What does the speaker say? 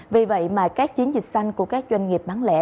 vì vậy mà các chiến dịch xanh của các doanh nghiệp bán lẻ